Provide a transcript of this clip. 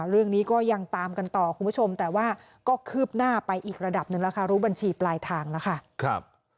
เรื่องนี้ก็ยังตามกันต่อคุณผู้ชมแต่ว่าก็คืบหน้าไปอีกระดับหนึ่งแล้วค่ะรู้บัญชีปลายทางแล้วค่ะ